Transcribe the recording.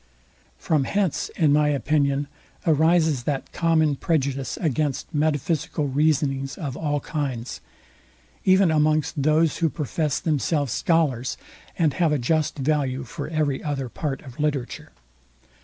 From hence in my opinion arises that common prejudice against metaphysical reasonings of all kinds, even amongst those, who profess themselves scholars, and have a just value for every other part of literature.